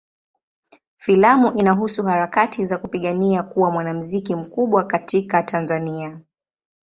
Filamu inahusu harakati za kupigania kuwa mwanamuziki mkubwa katika Tanzania.